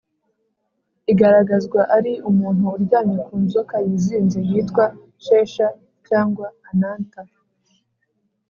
igaragazwa ari umuntu uryamye ku nzoka yizinze yitwa shesha cyangwa ananta